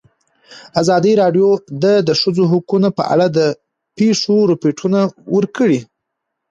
ازادي راډیو د د ښځو حقونه په اړه د پېښو رپوټونه ورکړي.